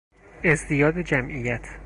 ازدیاد جمعیت